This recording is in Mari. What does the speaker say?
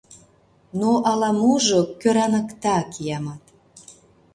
Но ала-можо кӧраныкта, киямат.